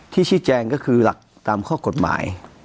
ชี้แจงก็คือหลักตามข้อกฎหมาย